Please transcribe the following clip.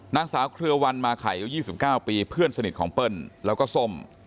นางสาวเคลือวันมาไข่อยู่ยี่สิบเก้าปีเพื่อนสนิทของเปิ้ลแล้วก็ส้ม